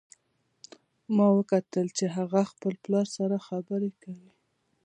ما وکتل چې هغه خپل پلار سره خبرې کوي